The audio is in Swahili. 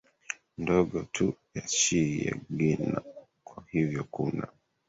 ndogo tu ya Shii ya Guiana Kwa hivyo kuna